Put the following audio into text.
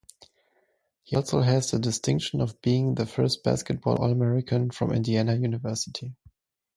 He also has the distinction of being the first basketball All-American from Indiana University.